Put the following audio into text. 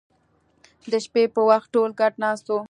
د شپې په وخت ټول ګډ ناست وو